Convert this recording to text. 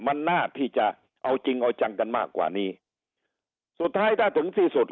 มันน่าที่จะเอาจริงเอาจังกันมากกว่านี้สุดท้ายถ้าถึงที่สุด